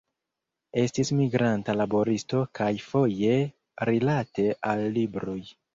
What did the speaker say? Estis migranta laboristo kaj foje rilate al libroj.